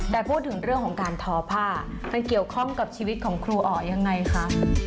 แต่พูดถึงเรื่องของการทอผ้ามันเกี่ยวข้องกับชีวิตของครูอ๋อยังไงคะ